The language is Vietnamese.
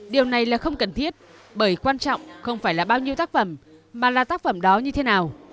điều này là không cần thiết bởi quan trọng không phải là bao nhiêu tác phẩm mà là tác phẩm đó như thế nào